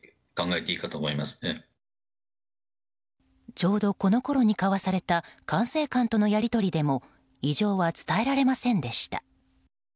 ちょうどこのころに交わされた管制官とのやり取りでも異常は伝えられませんでした。